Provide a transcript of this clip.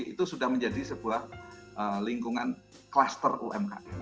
itu sudah menjadi sebuah lingkungan kluster umkm